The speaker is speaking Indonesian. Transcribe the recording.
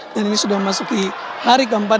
dan ini sudah masuk ke hari keempat